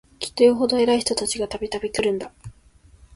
きっとよほど偉い人たちが、度々来るんだ